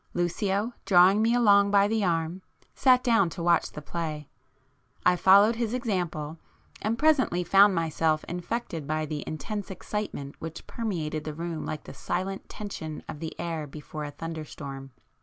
Lucio drawing me along by the arm, sat down to watch the play,—I followed his example and presently found myself infected by the intense excitement which permeated the room like the silent tension of the air before a thunderstorm.